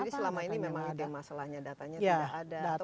jadi selama ini memang itu masalahnya datanya tidak ada